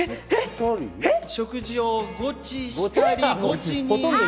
食事をゴチしたり、ゴチに。